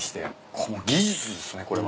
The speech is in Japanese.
この技術ですねこれはね。